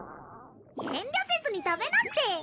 遠慮せずに食べなって。